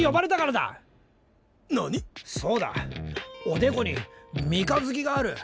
おでこに三日月がある。